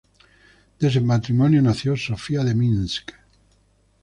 De ese matrimonio nació Sofía de Minsk.